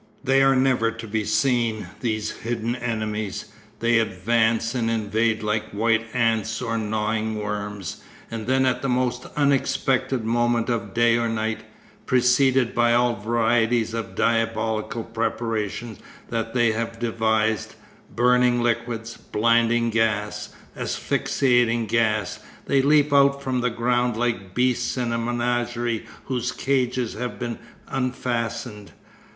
They are never to be seen, these hidden enemies; they advance and invade like white ants or gnawing worms, and then at the most unexpected moment of day or night, preceded by all varieties of diabolical preparations that they have devised, burning liquids, blinding gas, asphyxiating gas, they leap out from the ground like beasts in a menagerie whose cages have been unfastened.